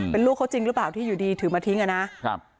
เป็นลูกเขาจริงหรือเปล่าที่อยู่ดีถือมาทิ้งอ่ะนะครับ